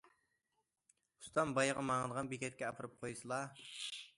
- ئۇستام بايغا ماڭىدىغان بېكەتكە ئاپىرىپ قويسىلا.